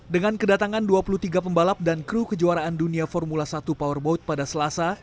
dengan kedatangan dua puluh tiga pembalap dan kru kejuaraan dunia formula satu powerboat pada selasa